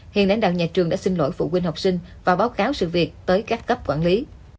hiện lãnh đạo nhà trường đã xin lỗi phụ huynh học sinh và báo cáo sự việc tới các cấp quản lý